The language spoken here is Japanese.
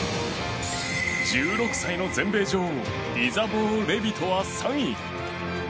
１６歳の全米女王イザボー・レビトは３位。